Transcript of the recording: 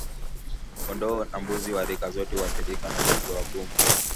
Kondoo na mbuzi wa rika zote huathirika na ugonjwa wa pumu